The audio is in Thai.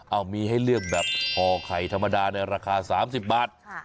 เอามีให้เลือกแบบห่อไข่ธรรมดาในราคา๓๐บาท